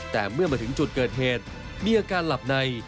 แต่เมื่อมาถึงจุดเกิดเหตุมีอาการหลับใน